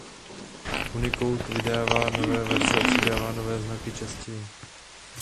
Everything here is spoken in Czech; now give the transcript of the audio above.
Unicode vydává nové verze a přidává nové znaky častěji.